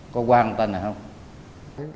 có quang tên này không